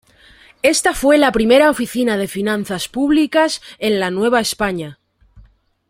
Esta fue la primera oficina de finanzas públicas en la Nueva España.